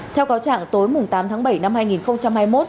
theo cáo trạng tối tám tháng bảy năm hai nghìn hai mươi một